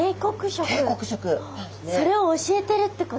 それを教えてるってこと？